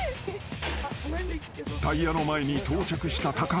［タイヤの前に到着した高橋］